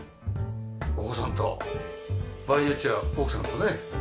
お子さんと場合によっちゃあ奥さんとね